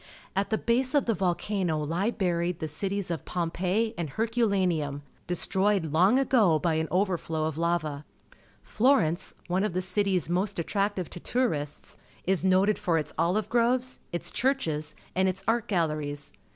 At the base of the volcano he buried the cities of Eaaipeii and Hxxcu lancutTi^ destroyed long ago bj' an overflow oThxva. Florencej^ one of the cities most attractive "tD tT5urists, is noted for its olive groves, its churches, and its art galleries.